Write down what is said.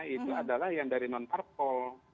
itu adalah yang dari non parpol